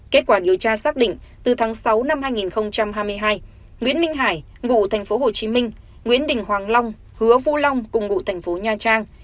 kết quả điều tra xác định từ tháng sáu năm hai nghìn hai mươi hai nguyễn minh hải ngụ thành phố hồ chí minh nguyễn đình hoàng long hứa vũ long cùng ngụ thành phố nha trang